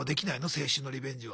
青春のリベンジは。